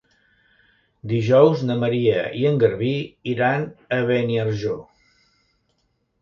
Dijous na Maria i en Garbí iran a Beniarjó.